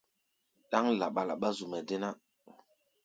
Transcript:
Ɗáŋ laɓa-laɓá zu-mɛ́ dé ná.